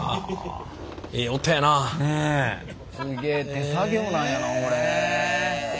すげえ手作業なんやなこれ。